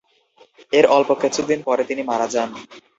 এর অল্প কিছুদিন পরে তিনি মারা যান।